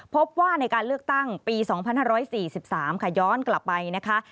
พบว่าในการเลือกตั้งปี๒๕๔๓ค่ะย้อนกลับไปนะคะ